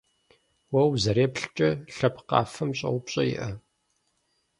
Уэ узэреплъымкӏэ, лъэпкъ къафэм щӀэупщӀэ иӀэ?